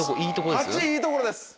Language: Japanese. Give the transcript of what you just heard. ８位いいとこです。